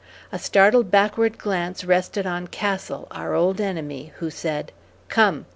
A startled backward glance rested on Castle, our old enemy, who said, "Come.